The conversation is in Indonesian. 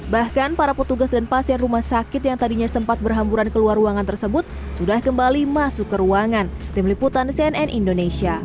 bahkan para petugas dan pasien rumah sakit yang tadinya sempat berhamburan keluar ruangan tersebut sudah kembali masuk ke ruangan